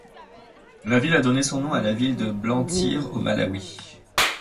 La ville a donné son nom à la ville de Blantyre au Malawi.